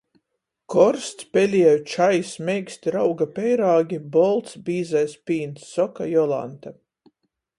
"korsts pelieju čajs, meiksti rauga peirāgi, bolts bīzais pīns!" soka Jolanta.